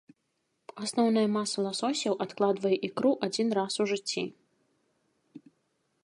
Асноўная маса ласосяў адкладвае ікру адзін раз у жыцці.